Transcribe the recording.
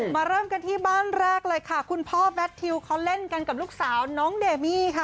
เริ่มกันที่บ้านแรกเลยค่ะคุณพ่อแบตทิวเขาเล่นกันกับลูกสาวน้องเดมี่ค่ะ